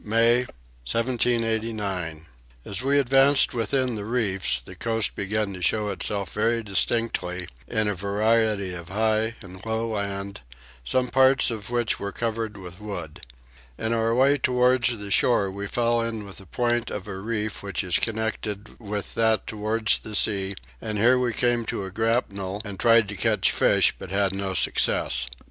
May 1789. As we advanced within the reefs the coast began to show itself very distinctly in a variety of high and low land, some parts of which were covered with wood. In our way towards the shore we fell in with a point of a reef which is connected with that towards the sea, and here we came to a grapnel and tried to catch fish but had no success.